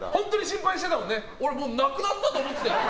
なくなったと思ってたよ。